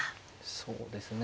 そうですね。